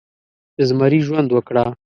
د زمري ژوند وکړه